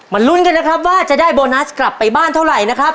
ลุ้นกันนะครับว่าจะได้โบนัสกลับไปบ้านเท่าไหร่นะครับ